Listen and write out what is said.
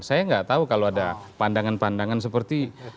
saya nggak tahu kalau ada pandangan pandangan seperti